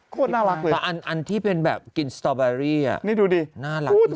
ก็น่ารักอันที่เป็นแบบกินสตอบัร์บารีนี่ดูดิน่ารักน่า